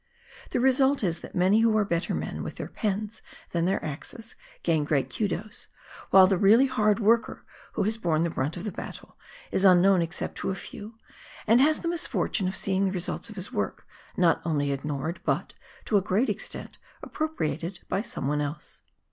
The result is that many who are better men with their pens than their axes gain great kudos, while the really hard worker, who has borne the brunt of the battle, is unknown except to a few, and has the misfortune of seeing the results of his work not only ignored, but, to a great extent, appropriated by someone else.